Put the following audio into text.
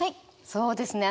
そうですね